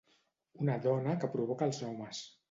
Una dona que provoca els homes.